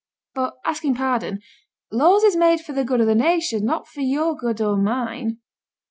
'But, asking pardon, laws is made for the good of the nation, not for your good or mine.'